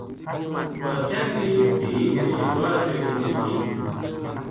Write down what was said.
بادشاہ کی دھی نے واہ سیلی چکی